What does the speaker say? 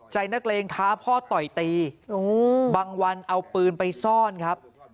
นักเลงท้าพ่อต่อยตีบางวันเอาปืนไปซ่อนครับ